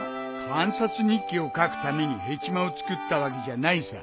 観察日記を書くためにヘチマを作ったわけじゃないさ。